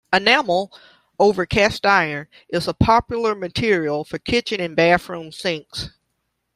Enamel over cast iron is a popular material for kitchen and bathroom sinks.